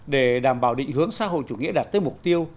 để đảm bảo định hướng xã hội chủ nghĩa đạt tới mục tiêu